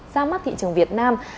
ra mắt thị trường việt nam